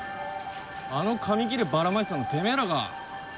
あの紙切ればらまいてたのてめえらか。